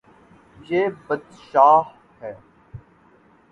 یے بدشاہ ہے